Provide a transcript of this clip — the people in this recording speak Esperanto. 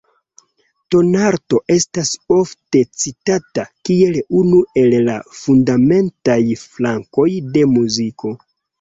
Tonalto estas ofte citata kiel unu el la fundamentaj flankoj de muziko.